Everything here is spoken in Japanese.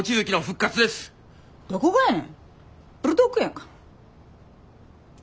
どこがやねんブルドッグやんか。